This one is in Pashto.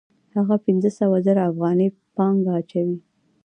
هغه پنځه سوه زره افغانۍ پانګه اچوي